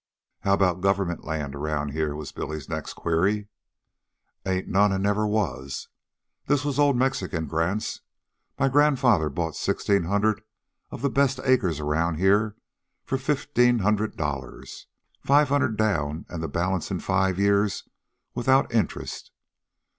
"How about government land around here?" was Billy'a next query. "Ain't none, an' never was. This was old Mexican grants. My grandfather bought sixteen hundred of the best acres around here for fifteen hundred dollars five hundred down an' the balance in five years without interest.